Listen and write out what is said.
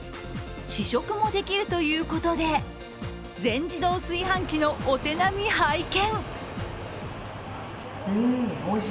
試食もできるということで、全自動炊飯器のお手並み拝見。